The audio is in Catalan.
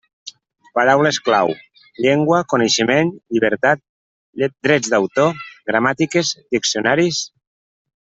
Paraules clau: llengua, coneixement, llibertat, drets d'autor, gramàtiques, diccionaris.